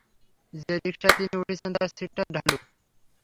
যে রিকশায় তিনি উঠেছেন, তার সিটটা ঢালু।